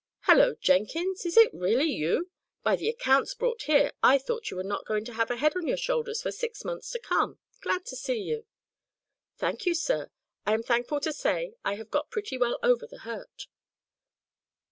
"Hallo, Jenkins; is it really you? By the accounts brought here, I thought you were not going to have a head on your shoulders for six months to come. Glad to see you." "Thank you, sir. I am thankful to say I have got pretty well over the hurt."